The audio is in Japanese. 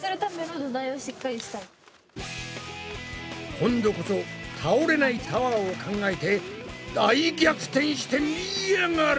今度こそ倒れないタワーを考えて大逆転してみやがれ！